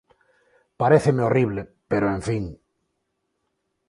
Paréceme horrible, pero en fin.